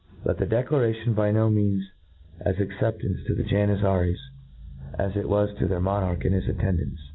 But the declaration was by no means as accep table to the Janizaries as it was to their monarch and his attendants.